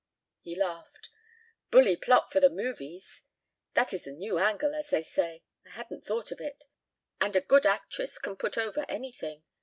He laughed. "Bully plot for the movies. That is a new angle, as they say. I hadn't thought of it. And a good actress can put over anything.